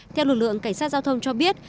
theo lực lượng cảnh sát giao thông cho biết